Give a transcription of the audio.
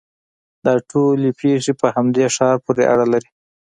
دا ټولې پېښې په همدې ښار پورې اړه لري.